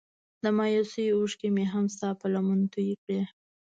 د مايوسۍ اوښکې مې هم ستا په لمن توی کړې.